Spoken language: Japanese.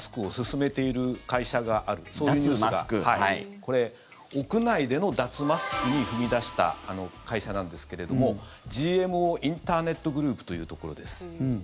これ、屋内での脱マスクに踏み出した会社なんですけれどもＧＭＯインターネットグループというところです。